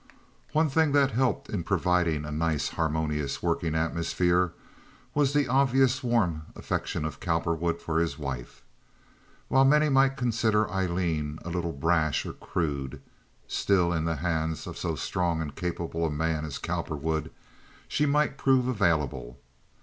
One thing that helped in providing a nice harmonious working atmosphere was the obvious warm affection of Cowperwood for his wife. While many might consider Aileen a little brash or crude, still in the hands of so strong and capable a man as Cowperwood she might prove available.